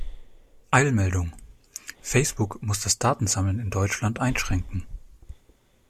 Eilmeldung! Facebook muss das Datensammeln in Deutschland einschränken.